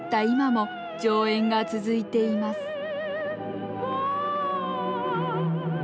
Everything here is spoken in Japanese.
今も上演が続いています